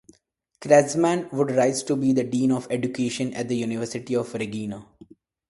Kratzmann would rise to be the dean of education at the University of Regina.